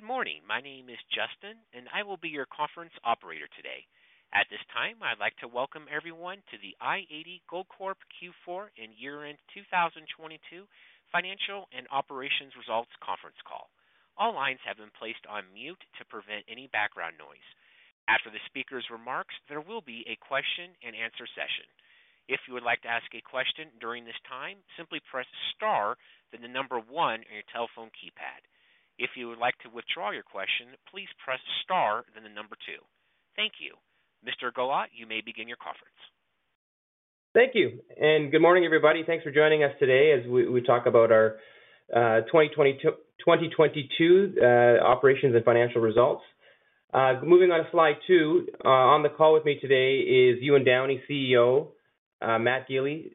Good morning. My name is Justin. I will be your conference operator today. At this time, I'd like to welcome everyone to the i-80 Gold Corp Q4 and year-end 2022 financial and operations results conference call. All lines have been placed on mute to prevent any background noise. After the speaker's remarks, there will be a question-and-answer session. If you would like to ask a question during this time, simply press star then the one on your telephone keypad. If you would like to withdraw your question, please press star then the two. Thank you. Mr. Gollat, you may begin your conference. Thank you. Good morning, everybody. Thanks for joining us today as we talk about our 2022 operations and financial results. Moving on to slide two, on the call with me today is Ewan Downie, CEO, Matthew Gili,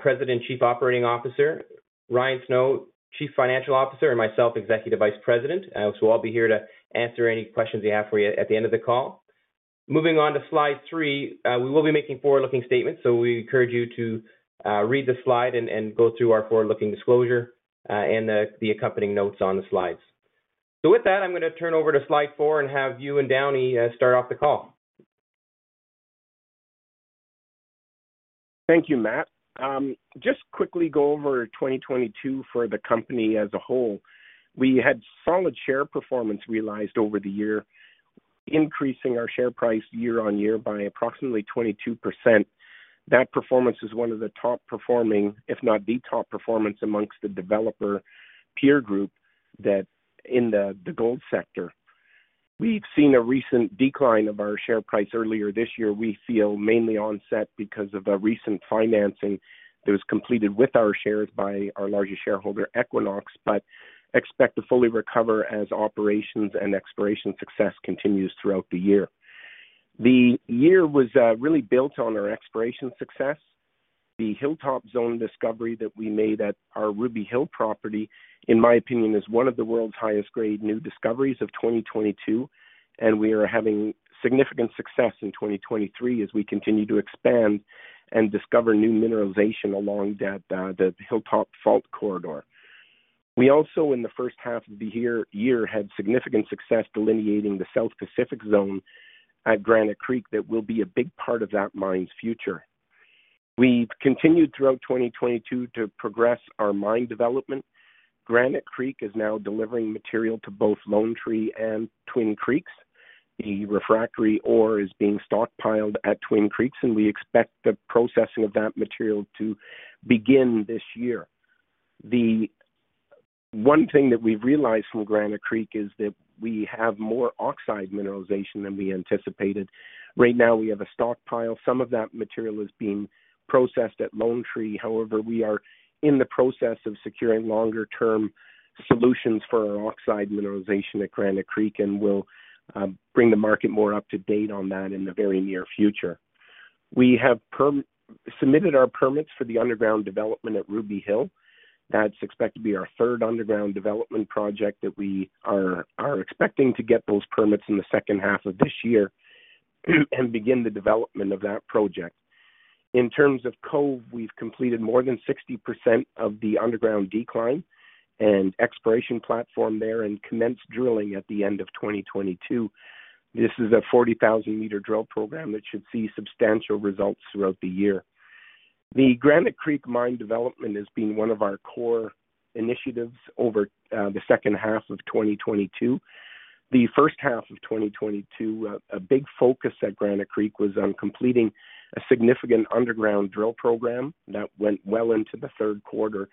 President and Chief Operating Officer, Ryan Snow, Chief Financial Officer, and myself, Executive Vice President, so I'll be here to answer any questions you have for you at the end of the call. Moving on to slide three, we will be making forward-looking statements, so we encourage you to read the slide and go through our forward-looking disclosure and the accompanying notes on the slides. With that, I'm gonna turn over to slide four and have Ewan Downie start off the call. Thank you, Matt. just quickly go over 2022 for the company as a whole. We had solid share performance realized over the year, increasing our share price year-on-year by approximately 22%. That performance is one of the top performing, if not the top performance amongst the developer peer group that in the gold sector. We've seen a recent decline of our share price earlier this year, we feel mainly onset because of a recent financing that was completed with our shares by our largest shareholder, Equinox, but expect to fully recover as operations and exploration success continues throughout the year. The year was really built on our exploration success. The Hilltop Zone discovery that we made at our Ruby Hill property, in my opinion, is one of the world's highest grade new discoveries of 2022. We are having significant success in 2023 as we continue to expand and discover new mineralization along that, the Hilltop fault corridor. We also, in the first half of the year, had significant success delineating the South Pacific Zone at Granite Creek that will be a big part of that mine's future. We've continued throughout 2022 to progress our mine development. Granite Creek is now delivering material to both Lone Tree and Twin Creeks. The refractory ore is being stockpiled at Twin Creeks. We expect the processing of that material to begin this year. The one thing that we've realized from Granite Creek is that we have more oxide mineralization than we anticipated. Right now we have a stockpile. Some of that material is being processed at Lone Tree. We are in the process of securing longer term solutions for our oxide mineralization at Granite Creek, and we'll bring the market more up to date on that in the very near future. We have submitted our permits for the underground development at Ruby Hill. That's expected to be our third underground development project that we are expecting to get those permits in the second half of this year and begin the development of that project. In terms of Cove, we've completed more than 60% of the underground decline and exploration platform there and commenced drilling at the end of 2022. This is a 40,000 meter drill program that should see substantial results throughout the year. The Granite Creek Mine development has been one of our core initiatives over the second half of 2022. The first half of 2022, a big focus at Granite Creek was on completing a significant underground drill program that went well into the third quarter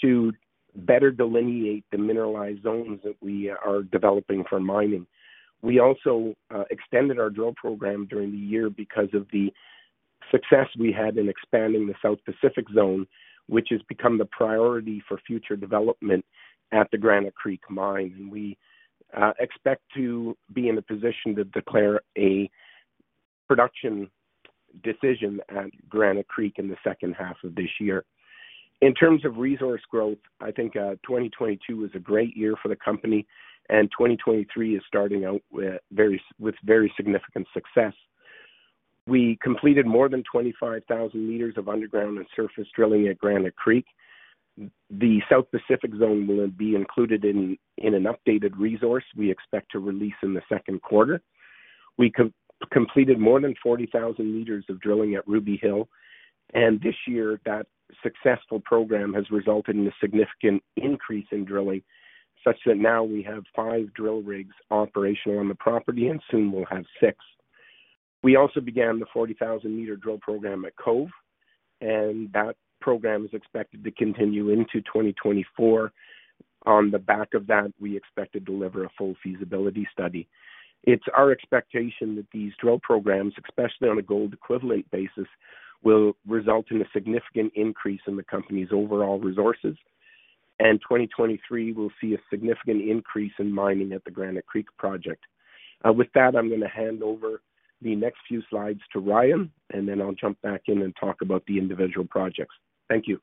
to better delineate the mineralized zones that we are developing for mining. We also extended our drill program during the year because of the success we had in expanding the South Pacific Zone, which has become the priority for future development at the Granite Creek Mine. We expect to be in a position to declare a production decision at Granite Creek in the second half of this year. In terms of resource growth, I think 2022 was a great year for the company, and 2023 is starting out with very significant success. We completed more than 25,000 meters of underground and surface drilling at Granite Creek. The South Pacific Zone will be included in an updated resource we expect to release in the second quarter. We completed more than 40,000 meters of drilling at Ruby Hill. This year that successful program has resulted in a significant increase in drilling such that now we have five drill rigs operational on the property, and soon we'll have six. We also began the 40,000 meter drill program at Cove. That program is expected to continue into 2024. On the back of that, we expect to deliver a full feasibility study. It's our expectation that these drill programs, especially on a gold equivalent basis, will result in a significant increase in the company's overall resources. 2023 will see a significant increase in mining at the Granite Creek project. With that, I'm gonna hand over the next few slides to Ryan. Then I'll jump back in and talk about the individual projects. Thank you.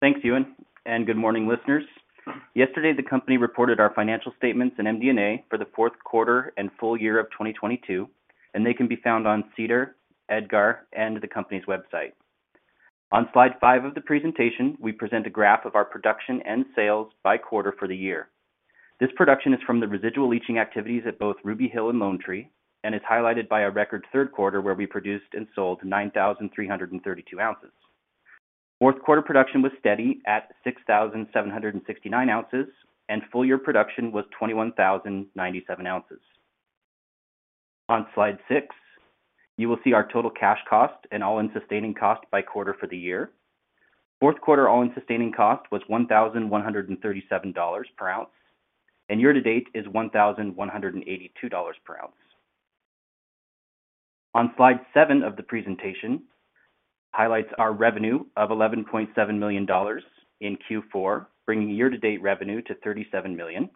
Thanks, Ewan, and good morning, listeners. Yesterday, the company reported our financial statements and MD&A for the fourth quarter and full year of 2022, and they can be found on SEDAR, EDGAR, and the company's website. On slide five of the presentation, we present a graph of our production and sales by quarter for the year. This production is from the residual leaching activities at both Ruby Hill and Lone Tree, and is highlighted by a record third quarter where we produced and sold 9,332 ounces. Fourth quarter production was steady at 6,769 ounces, and full year production was 21,097 ounces. On slide six, you will see our total cash cost and all-in sustaining cost by quarter for the year. Fourth quarter all-in sustaining cost was $1,137 per ounce, and year to date is $1,182 per ounce. On slide seven of the presentation highlights our revenue of $11.7 million in Q4, bringing year-to-date revenue to $37 million.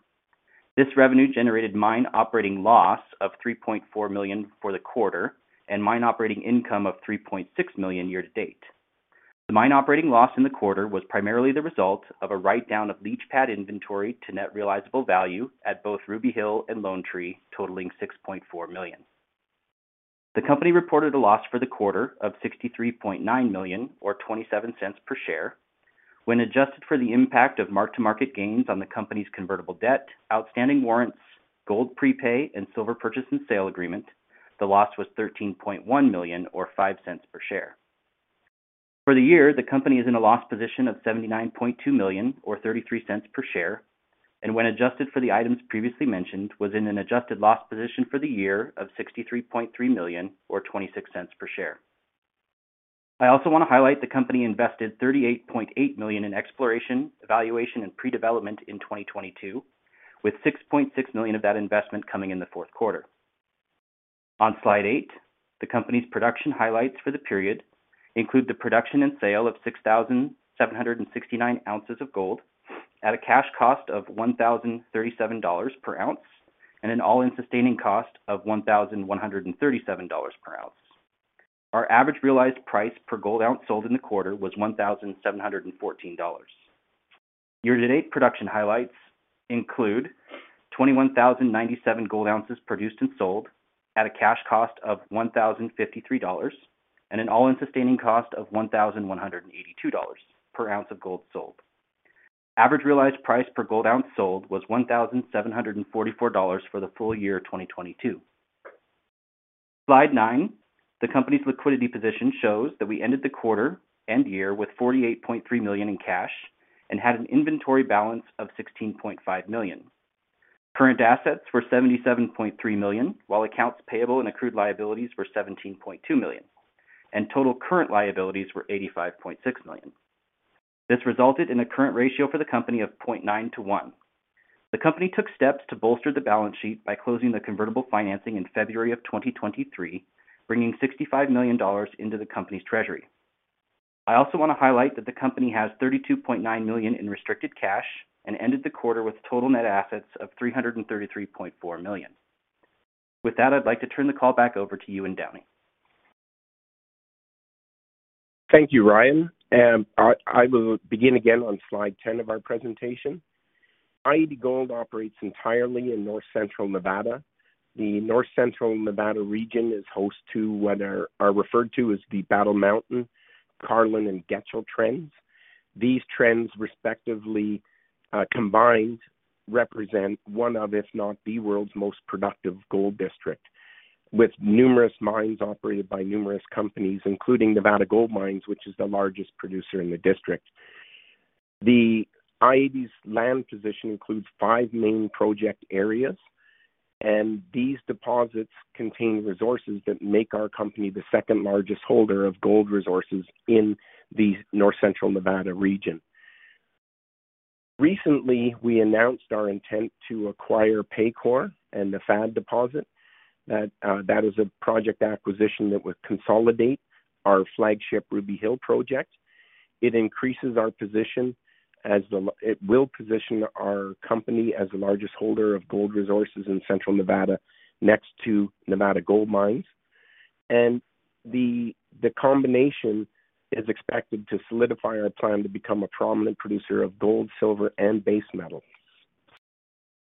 This revenue generated mine operating loss of $3.4 million for the quarter and mine operating income of $3.6 million year-to-date. The mine operating loss in the quarter was primarily the result of a write-down of leach pad inventory to net realizable value at both Ruby Hill and Lone Tree, totaling $6.4 million. The company reported a loss for the quarter of $63.9 million or $0.27 per share. When adjusted for the impact of mark-to-market gains on the company's convertible debt, outstanding warrants, gold prepay, and silver purchase and sale agreement, the loss was $13.1 million or $0.05 per share. For the year, the company is in a loss position of $79.2 million or $0.33 per share, and when adjusted for the items previously mentioned, was in an adjusted loss position for the year of $63.3 million or $0.26 per share. I also want to highlight the company invested $38.8 million in exploration, evaluation, and pre-development in 2022, with $6.6 million of that investment coming in the fourth quarter. On slide eight, the company's production highlights for the period include the production and sale of 6,769 ounces of gold at a cash cost of $1,037 per ounce and an all-in sustaining cost of $1,137 per ounce. Our average realized price per gold ounce sold in the quarter was $1,714. Year to date production highlights include 21,097 gold ounces produced and sold at a cash cost of $1,053 and an all-in sustaining cost of $1,182 per ounce of gold sold. Average realized price per gold ounce sold was $1,744 for the full year 2022. Slide nine, the company's liquidity position shows that we ended the quarter and year with $48.3 million in cash and had an inventory balance of $16.5 million. Current assets were $77.3 million, while accounts payable and accrued liabilities were $17.2 million, and total current liabilities were $85.6 million. This resulted in a current ratio for the company of 0.9 to one. The company took steps to bolster the balance sheet by closing the convertible financing in February of 2023, bringing $65 million into the company's treasury. I also want to highlight that the company has $32.9 million in restricted cash and ended the quarter with total net assets of $333.4 million. With that, I'd like to turn the call back over to Ewan Downie. Thank you, Ryan. I will begin again on slide 10 of our presentation. i-80 Gold operates entirely in North Central Nevada. The North Central Nevada region is host to what are referred to as the Battle Mountain, Carlin, and Getchell Trends. These trends respectively, combined represent one of, if not the world's most productive gold district, with numerous mines operated by numerous companies, including Nevada Gold Mines, which is the largest producer in the district. i-80's land position includes five main project areas. These deposits contain resources that make our company the second-largest holder of gold resources in the North Central Nevada region. Recently, we announced our intent to acquire Paycore and the FAD deposit. That is a project acquisition that would consolidate our flagship Ruby Hill project. It increases our position as it will position our company as the largest holder of gold resources in central Nevada next to Nevada Gold Mines. The combination is expected to solidify our plan to become a prominent producer of gold, silver, and base metals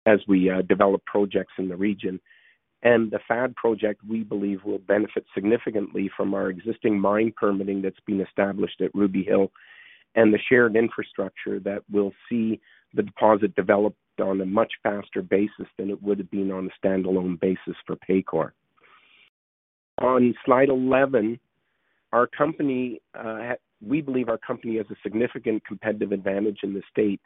as we develop projects in the region. The FAD project, we believe, will benefit significantly from our existing mine permitting that's been established at Ruby Hill and the shared infrastructure that will see the deposit developed on a much faster basis than it would have been on a standalone basis for Paycore. On slide 11, our company, we believe our company has a significant competitive advantage in the state.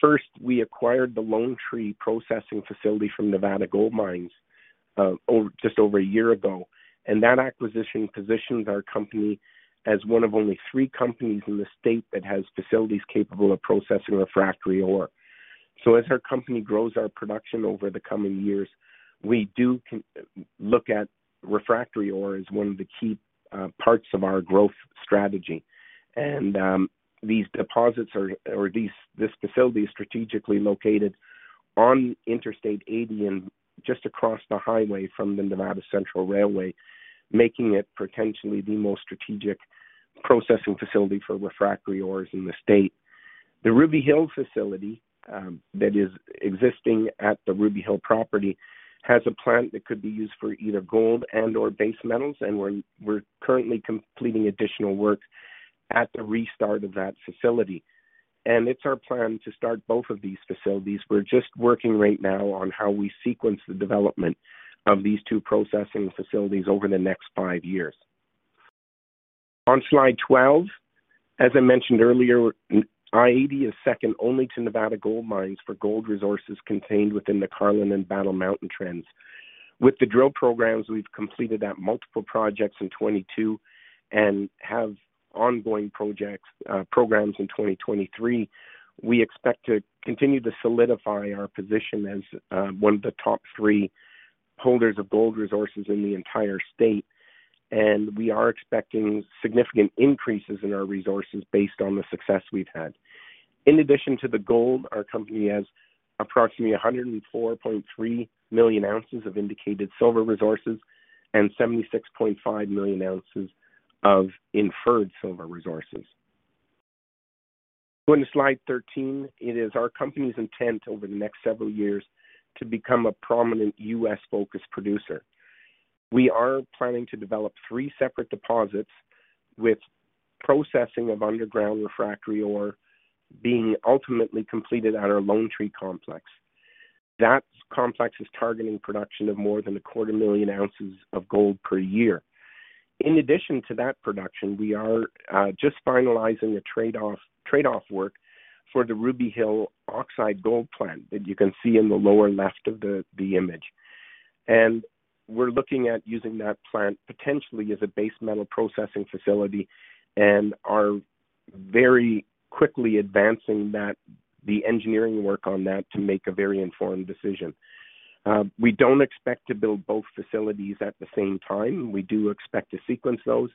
First, we acquired the Lone Tree processing facility from Nevada Gold Mines just over one year ago. That acquisition positions our company as one of only three companies in the state that has facilities capable of processing refractory ore. As our company grows our production over the coming years, we do look at refractory ore as one of the key parts of our growth strategy. This facility is strategically located on Interstate 80 and just across the highway from the Nevada Central Railway, making it potentially the most strategic processing facility for refractory ores in the state. The Ruby Hill facility that is existing at the Ruby Hill property has a plant that could be used for either gold and/or base metals, and we're currently completing additional work at the restart of that facility. It's our plan to start both of these facilities. We're just working right now on how we sequence the development of these two processing facilities over the next five years. On slide 12, as I mentioned earlier, i-80 is second only to Nevada Gold Mines for gold resources contained within the Carlin and Battle Mountain Trends. With the drill programs we've completed at multiple projects in 2022 and have ongoing projects, programs in 2023, we expect to continue to solidify our position as one of the top three holders of gold resources in the entire state, and we are expecting significant increases in our resources based on the success we've had. In addition to the gold, our company has approximately 104.3 million ounces of indicated silver resources and 76.5 million ounces of inferred silver resources. Going to slide 13. It is our company's intent over the next several years to become a prominent US-focused producer. We are planning to develop three separate deposits with processing of underground refractory ore being ultimately completed at our Lone Tree complex. That complex is targeting production of more than a quarter million ounces of gold per year. In addition to that production, we are just finalizing the trade-off work for the Ruby Hill oxide gold plant that you can see in the lower left of the image. We're looking at using that plant potentially as a base metal processing facility and are very quickly advancing the engineering work on that to make a very informed decision. We don't expect to build both facilities at the same time. We do expect to sequence those,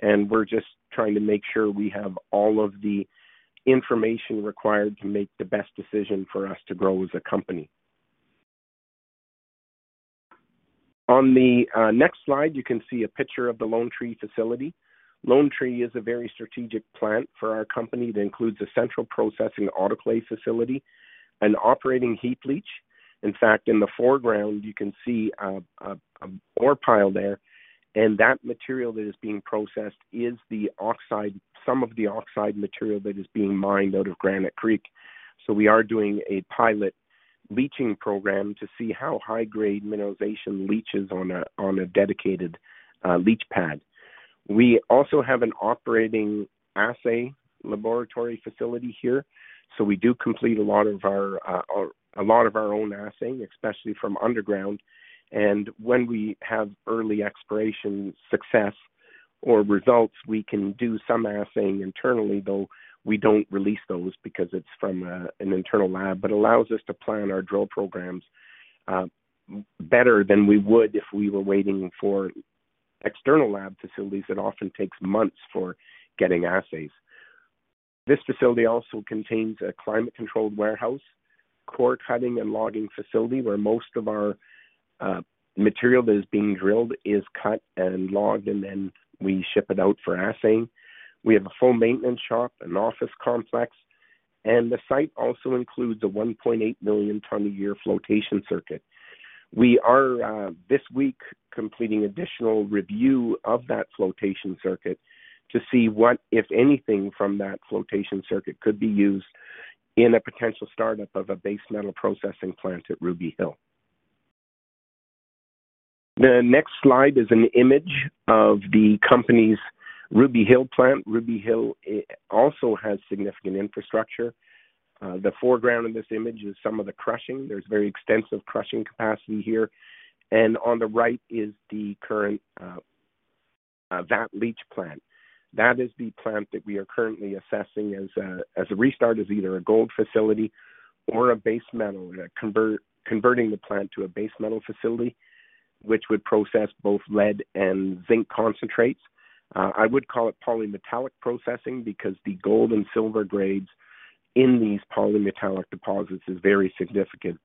and we're just trying to make sure we have all of the information required to make the best decision for us to grow as a company. On the next slide, you can see a picture of the Lone Tree facility. Lone Tree is a very strategic plant for our company that includes a central processing autoclave facility, an operating heap leach. In fact, in the foreground you can see an ore pile there, and that material that is being processed is the oxide, some of the oxide material that is being mined out of Granite Creek. We are doing a pilot leaching program to see how high grade mineralization leaches on a dedicated leach pad. We also have an operating assay laboratory facility here. We do complete a lot of our own assaying, especially from underground. When we have early exploration success or results, we can do some assaying internally, though we don't release those because it's from an internal lab. Allows us to plan our drill programs better than we would if we were waiting for external lab facilities that often takes months for getting assays. This facility also contains a climate-controlled warehouse, core cutting and logging facility where most of our material that is being drilled is cut and logged, and then we ship it out for assaying. We have a full maintenance shop, an office complex, and the site also includes a 1.8 million ton a year flotation circuit. We are this week completing additional review of that flotation circuit to see what, if anything, from that flotation circuit could be used in a potential startup of a base metal processing plant at Ruby Hill. The next slide is an image of the company's Ruby Hill plant. Ruby Hill also has significant infrastructure. The foreground in this image is some of the crushing. There's very extensive crushing capacity here. On the right is the current vat leach plant. That is the plant that we are currently assessing as a restart as either a gold facility or a base metal, converting the plant to a base metal facility, which would process both lead and zinc concentrates. I would call it polymetallic processing because the gold and silver grades in these polymetallic deposits is very significant.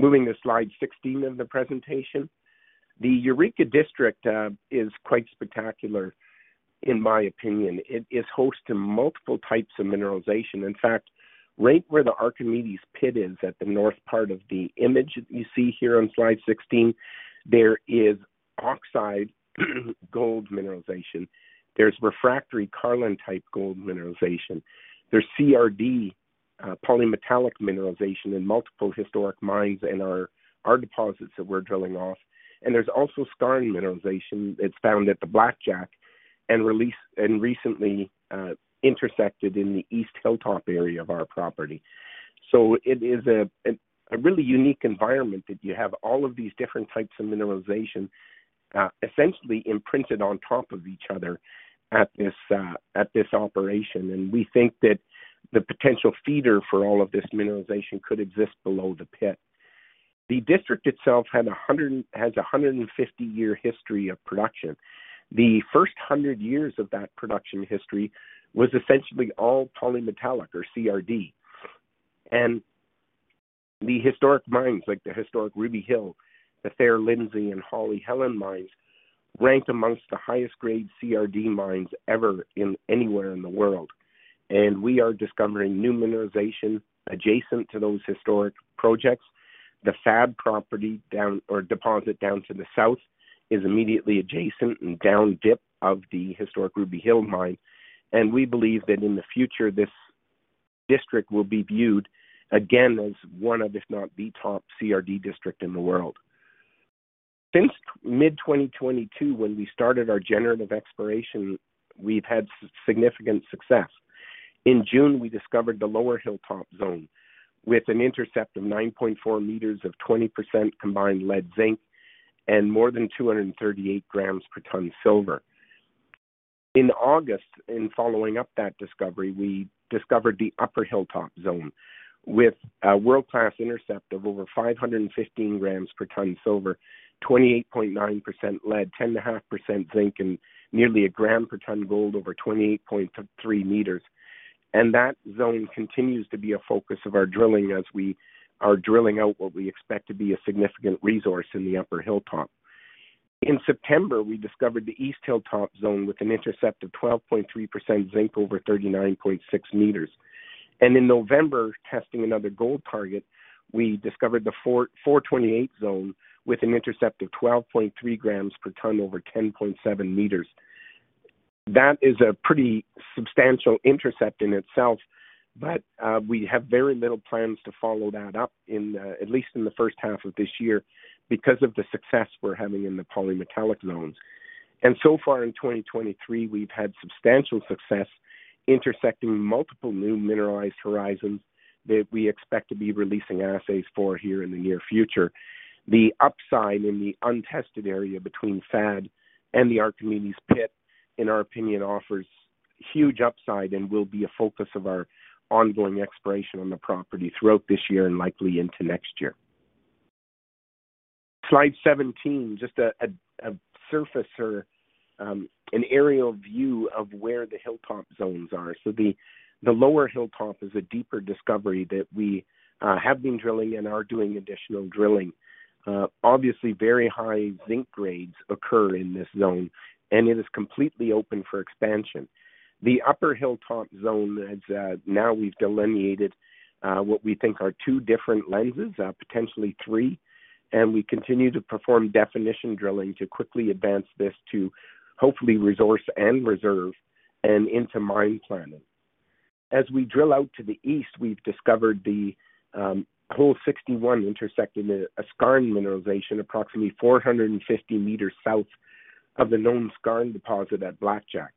Moving to slide 16 of the presentation. The Eureka District is quite spectacular in my opinion. It is host to multiple types of mineralization. In fact, right where the Archimedes pit is at the north part of the image that you see here on slide 16, there is oxide gold mineralization. There's refractory Carlin-type gold mineralization. There's CRD polymetallic mineralization in multiple historic mines in our deposits that we're drilling off. There's also skarn mineralization. It's found at the Blackjack and recently intersected in the East Hilltop area of our property. It is a really unique environment that you have all of these different types of mineralization essentially imprinted on top of each other at this operation. We think that the potential feeder for all of this mineralization could exist below the pit. The district itself has a 150 year history of production. The first 100 years of that production history was essentially all polymetallic or CRD. The historic mines like the historic Ruby Hill, the Fair Lindsey, and Holly and Helen mines rank amongst the highest grade CRD mines ever in anywhere in the world. We are discovering new mineralization adjacent to those historic projects. The FAD property down or deposit down to the south is immediately adjacent and down dip of the historic Ruby Hill Mine. We believe that in the future, this district will be viewed again as one of, if not the top CRD district in the world. Since mid-2022 when we started our generative exploration, we've had significant success. In June, we discovered the Lower Hilltop Zone with an intercept of 9.4 meters of 20% combined lead zinc and more than 238 grams per ton silver. In August, in following up that discovery, we discovered the Upper Hilltop Zone with a world-class intercept of over 515 grams per ton silver, 28.9% lead, 10.5% zinc, and nearly a gram per ton gold over 28.3 meters. That zone continues to be a focus of our drilling as we are drilling out what we expect to be a significant resource in the Upper Hilltop. In September, we discovered the East Hilltop Zone with an intercept of 12.3% zinc over 39.6 meters. In November, testing another gold target, we discovered the 428 zone with an intercept of 12.3 grams per ton over 10.7 meters. That is a pretty substantial intercept in itself, but we have very little plans to follow that up in at least in the first half of this year because of the success we're having in the polymetallic zones. So far in 2023, we've had substantial success intersecting multiple new mineralized horizons that we expect to be releasing assays for here in the near future. The upside in the untested area between FAD and the Archimedes pit, in our opinion, offers huge upside and will be a focus of our ongoing exploration on the property throughout this year and likely into next year. Slide 17, just a surface or an aerial view of where the Hilltop zones are. The Lower Hill Top is a deeper discovery that we have been drilling and are doing additional drilling. Obviously, very high zinc grades occur in this zone, and it is completely open for expansion. The Upper Hill Top Zone has, now we've delineated, what we think are two different lenses, potentially three, and we continue to perform definition drilling to quickly advance this to hopefully resource and reserve and into mine planning. As we drill out to the east, we've discovered the hole 61 intersecting a skarn mineralization approximately 450 meters south of the known skarn deposit at Blackjack.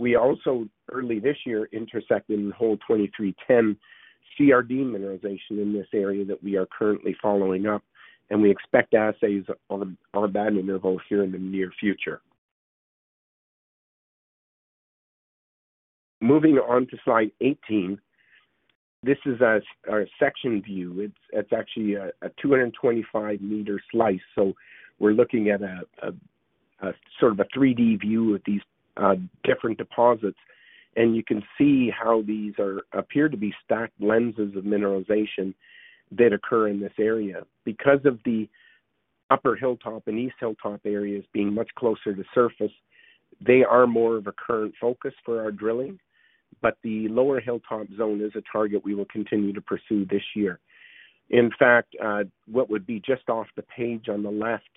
We also early this year, intersected in hole 2310 CRD mineralization in this area that we are currently following up. We expect assays on that interval here in the near future. Moving on to slide 18. This is a section view. It's actually a 225-meter slice. We're looking at a sort of a 3-D view of these different deposits, and you can see how these appear to be stacked lenses of mineralization that occur in this area. Because of the Upper Hill Top and East Hilltop areas being much closer to surface, they are more of a current focus for our drilling. The Lower Hill Top zone is a target we will continue to pursue this year. In fact, what would be just off the page on the left,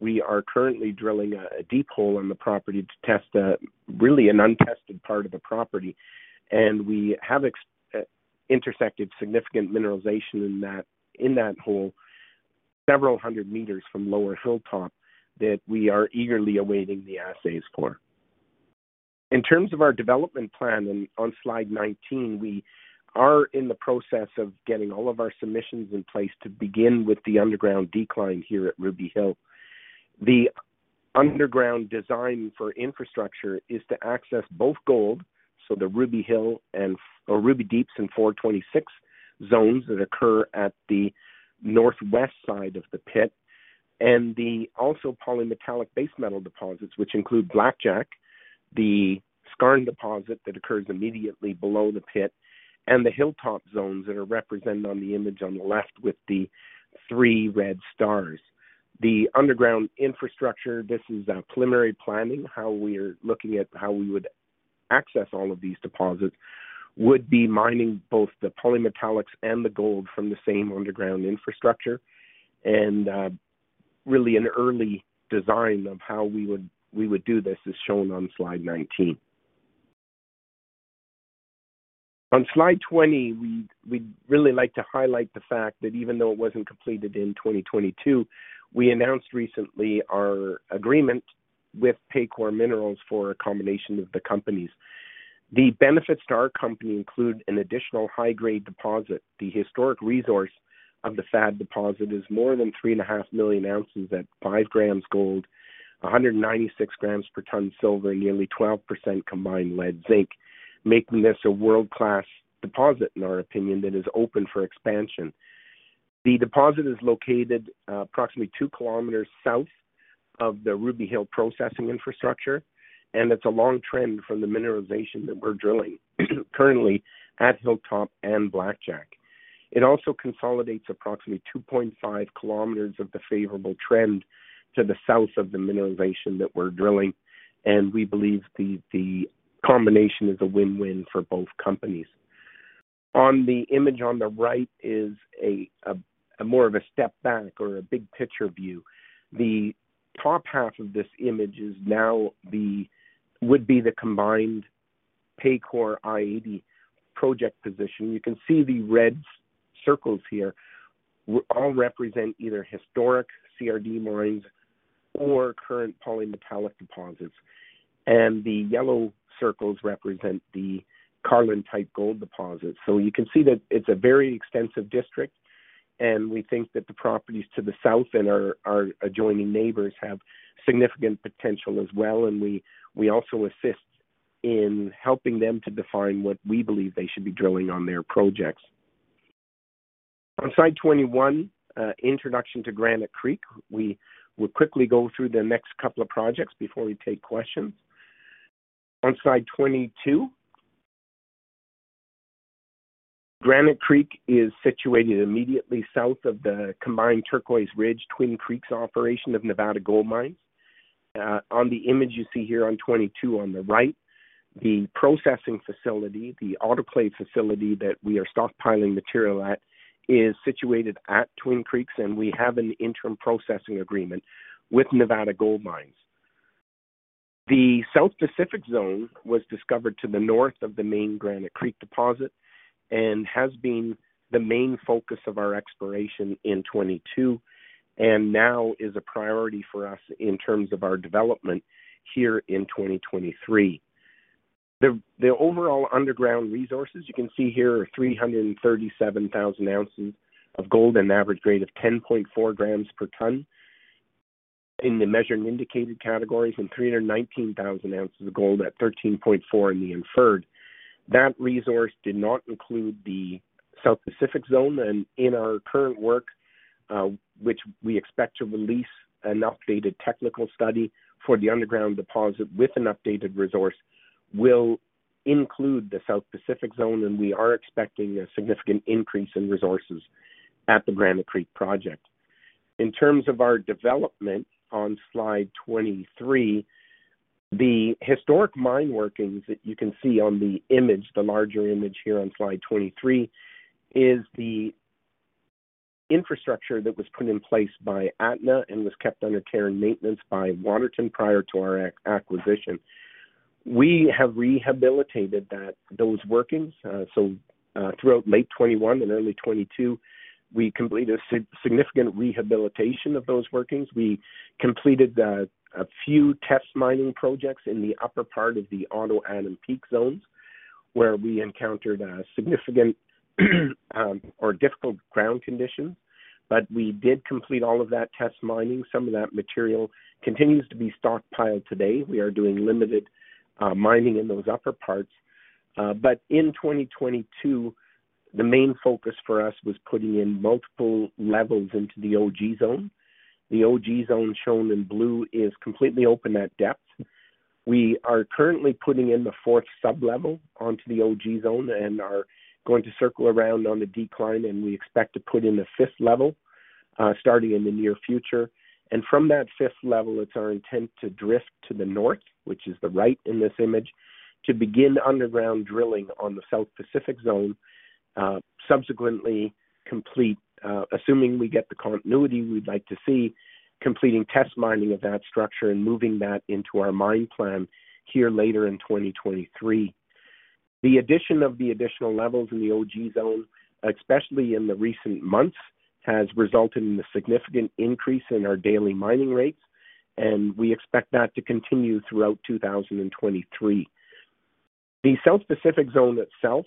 we are currently drilling a deep hole on the property to test a really an untested part of the property. We have intersected significant mineralization in that hole several hundred meters from Lower Hill Top that we are eagerly awaiting the assays for. In terms of our development plan and on slide 19, we are in the process of getting all of our submissions in place to begin with the underground decline here at Ruby Hill. The underground design for infrastructure is to access both gold, so the Ruby Hill or Ruby Deeps in 426 zones that occur at the northwest side of the pit. The also polymetallic base metal deposits, which include Blackjack, the skarn deposit that occurs immediately below the pit, and the Hilltop zones that are represented on the image on the left with the three red stars. The underground infrastructure, this is preliminary planning, how we are looking at how we would access all of these deposits, would be mining both the polymetallics and the gold from the same underground infrastructure. Really an early design of how we would do this is shown on slide 19. On slide 20, we'd really like to highlight the fact that even though it wasn't completed in 2022, we announced recently our agreement with Paycore Minerals for a combination of the companies. The benefits to our company include an additional high-grade deposit. The historic resource of the FAD deposit is more than 3.5 million ounces at five grams gold, 196 grams per ton silver, nearly 12% combined lead zinc, making this a world-class deposit, in our opinion, that is open for expansion. The deposit is located approximately 2 km south of the Ruby Hill processing infrastructure, it's a long trend from the mineralization that we're drilling currently at Hilltop and Blackjack. It also consolidates approximately 2.5 km of the favorable trend to the south of the mineralization that we're drilling, we believe the combination is a win-win for both companies. On the image on the right is a more of a step back or a big picture view. The top half of this image is now would be the combined Paycore i-80 project position. You can see the red circles here all represent either historic CRD mines or current polymetallic deposits. The yellow circles represent the Carlin-type gold deposits. You can see that it's a very extensive district, and we think that the properties to the south and our adjoining neighbors have significant potential as well. We also assist in helping them to define what we believe they should be drilling on their projects. On slide 21, introduction to Granite Creek. We will quickly go through the next couple of projects before we take questions. On slide 22. Granite Creek is situated immediately south of the combined Turquoise Ridge/Twin Creeks operation of Nevada Gold Mines. On the image you see here on 22 on the right, the processing facility, the autoclave facility that we are stockpiling material at, is situated at Twin Creeks, and we have an interim processing agreement with Nevada Gold Mines. The South Pacific Zone was discovered to the north of the main Granite Creek deposit and has been the main focus of our exploration in 2022, and now is a priority for us in terms of our development here in 2023. The overall underground resources you can see here are 337,000 ounces of gold, an average grade of 10.4 grams per ton in the measured and indicated categories, and 319,000 ounces of gold at 13.4 in the inferred. That resource did not include the South Pacific Zone. In our current work, which we expect to release an updated technical study for the underground deposit with an updated resource, will include the South Pacific Zone, and we are expecting a significant increase in resources at the Granite Creek project. In terms of our development on slide 23, the historic mine workings that you can see on the image, the larger image here on slide 23, is the infrastructure that was put in place by Ahtna and was kept under care and maintenance by Waterton prior to our acquisition. We have rehabilitated those workings. Throughout late 2021 and early 2022, we completed a significant rehabilitation of those workings. We completed a few test mining projects in the upper part of the Otto and Peak zones, where we encountered a significant or difficult ground condition. We did complete all of that test mining. Some of that material continues to be stockpiled today. We are doing limited mining in those upper parts. In 2022, the main focus for us was putting in multiple levels into the OG Zone. The OG Zone shown in blue is completely open at depth. We are currently putting in the fourth sub-level onto the OG Zone and are going to circle around on the decline, and we expect to put in a fifth level starting in the near future. From that fifth level, it's our intent to drift to the north, which is the right in this image, to begin underground drilling on the South Pacific Zone, subsequently complete, assuming we get the continuity we'd like to see, completing test mining of that structure and moving that into our mine plan here later in 2023. The addition of the additional levels in the OG Zone, especially in the recent months, has resulted in a significant increase in our daily mining rates, and we expect that to continue throughout 2023. The South Pacific Zone itself,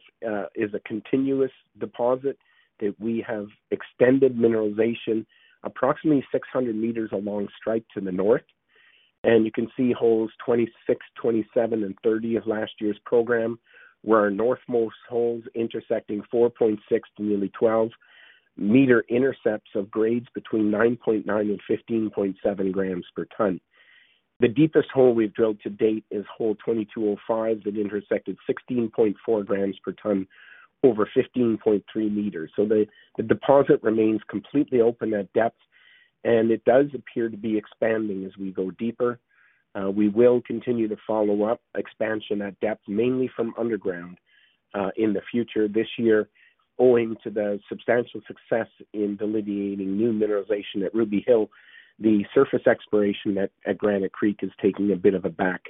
is a continuous deposit that we have extended mineralization approximately 600 meters along strike to the north. You can see holes 26, 27, and 30 of last year's program were our northmost holes intersecting 4.6 to nearly 12-meter intercepts of grades between 9.9 and 15.7 grams per ton. The deepest hole we've drilled to date is hole 2205. It intersected 16.4 grams per ton over 15.3 meters. The deposit remains completely open at depth, and it does appear to be expanding as we go deeper. We will continue to follow up expansion at depth, mainly from underground, in the future this year. Owing to the substantial success in delineating new mineralization at Ruby Hill, the surface exploration at Granite Creek is taking a bit of a back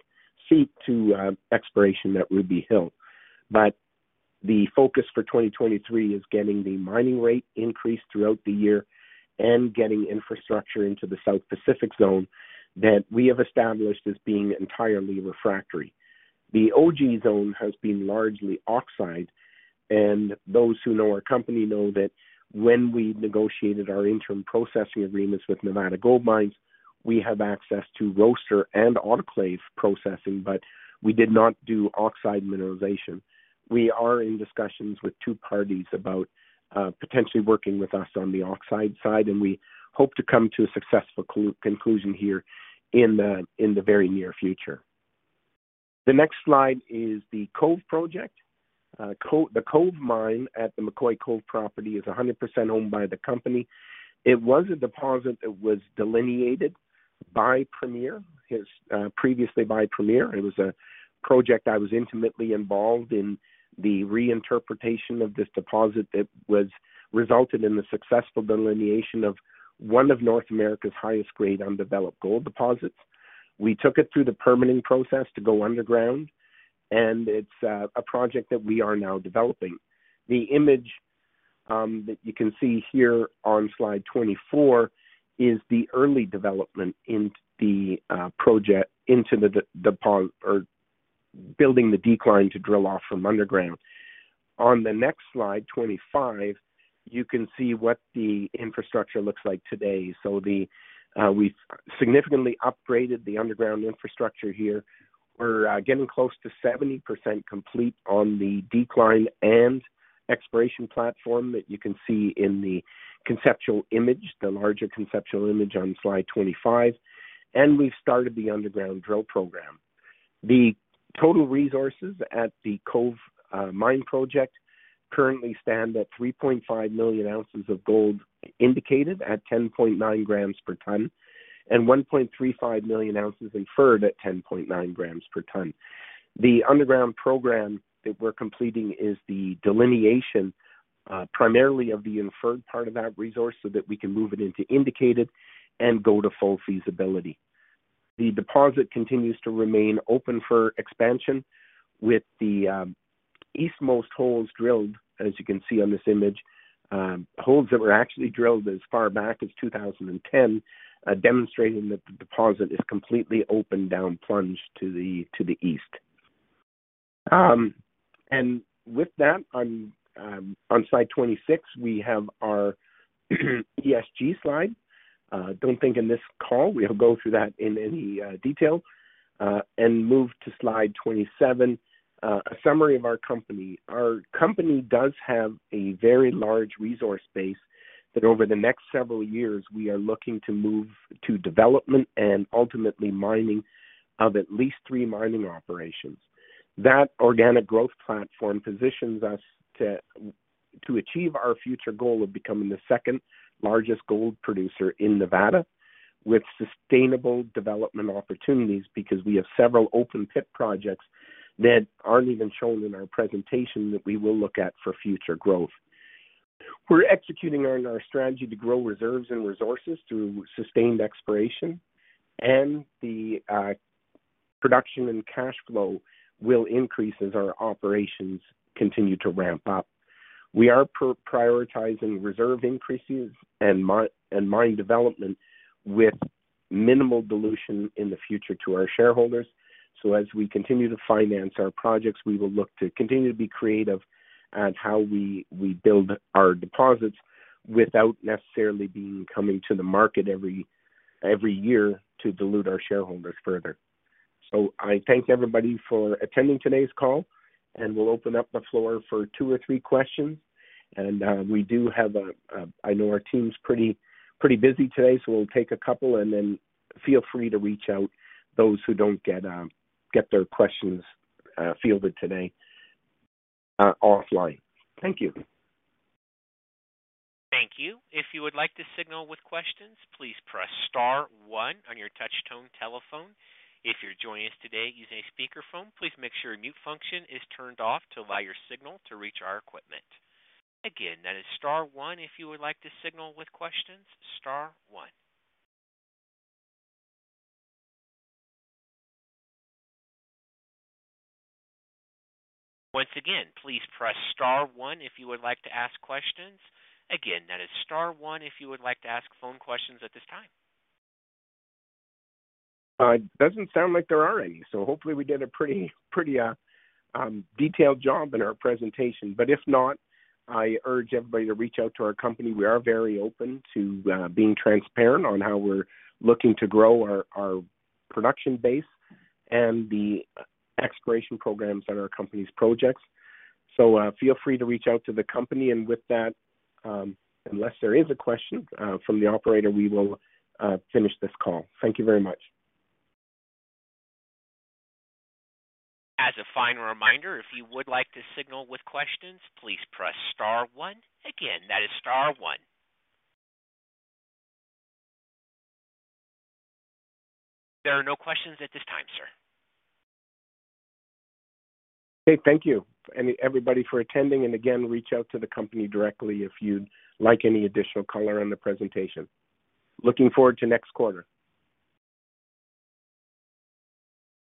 seat to exploration at Ruby Hill. The focus for 2023 is getting the mining rate increased throughout the year and getting infrastructure into the South Pacific Zone that we have established as being entirely refractory. The OG Zone has been largely oxide, and those who know our company know that when we negotiated our interim processing agreements with Nevada Gold Mines, we have access to roaster and autoclave processing, but we did not do oxide mineralization. We are in discussions with two parties about potentially working with us on the oxide side, and we hope to come to a successful conclusion here in the very near future. The next slide is the Cove Project. The Cove Mine at the McCoy Cove property is 100% owned by the company. It was a deposit that was delineated by Premier previously by Premier. It was a project I was intimately involved in the reinterpretation of this deposit that was resulted in the successful delineation of one of North America's highest grade undeveloped gold deposits. We took it through the permitting process to go underground, and it's a project that we are now developing. The image that you can see here on slide 24 is the early development in the project into the deposit or building the decline to drill off from underground. On the next slide, 25, you can see what the infrastructure looks like today. The, we've significantly upgraded the underground infrastructure here. We're getting close to 70% complete on the decline and exploration platform that you can see in the conceptual image, the larger conceptual image on slide 25. We've started the underground drill program. The total resources at the Cove Mine project currently stand at 3.5 million ounces of gold indicated at 10.9 grams per ton and 1.35 million ounces inferred at 10.9 grams per ton. The underground program that we're completing is the delineation primarily of the inferred part of our resource so that we can move it into indicated and go to full feasibility. The deposit continues to remain open for expansion with the eastmost holes drilled, as you can see on this image, holes that were actually drilled as far back as 2010, demonstrating that the deposit is completely open down plunge to the east. With that, on slide 26, we have our ESG slide. Don't think in this call we'll go through that in any detail and move to slide 27. A summary of our company. Our company does have a very large resource base that over the next several years, we are looking to move to development and ultimately mining of at least three mining operations. That organic growth platform positions us to achieve our future goal of becoming the second-largest gold producer in Nevada with sustainable development opportunities because we have several open pit projects that aren't even shown in our presentation that we will look at for future growth. We're executing on our strategy to grow reserves and resources through sustained exploration and the production and cash flow will increase as our operations continue to ramp up. We are prioritizing reserve increases and mine development with minimal dilution in the future to our shareholders. As we continue to finance our projects, we will look to continue to be creative on how we build our deposits without necessarily being coming to the market every year to dilute our shareholders further. I thank everybody for attending today's call, and we'll open up the floor for two or three questions. We do have. I know our team's pretty busy today. We'll take a couple and then feel free to reach out those who don't get get their questions fielded today offline. Thank you. Thank you. If you would like to signal with questions, please press star one on your touch tone telephone. If you're joining us today using a speaker phone, please make sure mute function is turned off to allow your signal to reach our equipment. Again, that is star one if you would like to signal with questions, star one. Once again, please press star one if you would like to ask questions. Again, that is star one if you would like to ask phone questions at this time. It doesn't sound like there are any, so hopefully we did a pretty detailed job in our presentation. If not, I urge everybody to reach out to our company. We are very open to being transparent on how we're looking to grow our production base and the exploration programs at our company's projects. Feel free to reach out to the company. With that, unless there is a question from the operator, we will finish this call. Thank you very much. As a final reminder, if you would like to signal with questions, please press star one. Again, that is star one. There are no questions at this time, sir. Okay. Thank you everybody for attending. Again, reach out to the company directly if you'd like any additional color on the presentation. Looking forward to next quarter.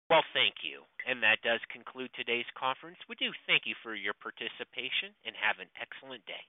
Well, thank you. That does conclude today's conference. We do thank you for your participation, and have an excellent day.